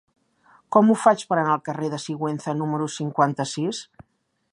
Com ho faig per anar al carrer de Sigüenza número cinquanta-sis?